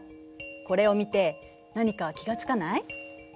これを見て何か気が付かない？